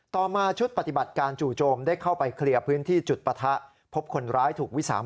ต่อมาชุดปฏิบัติการจู่โจมได้เข้าไปเคลียร์พื้นที่จุดปะทะ